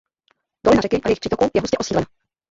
Dolina řeky a jejich přítoků je hustě osídlena.